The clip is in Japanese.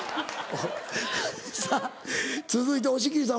さぁ続いて押切さん